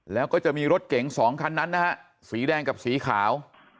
แล้วก็จะมีรถเก๋งสองคันนั้นนะฮะสีแดงกับสีขาว